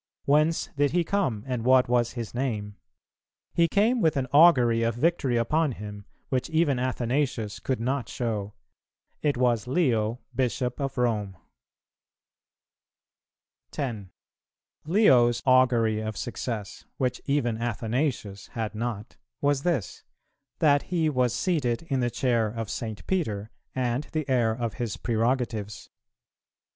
Whence did he come, and what was his name? He came with an augury of victory upon him, which even Athanasius could not show; it was Leo, Bishop of Rome. 10. Leo's augury of success, which even Athanasius had not, was this, that he was seated in the chair of St. Peter and the heir of his prerogatives.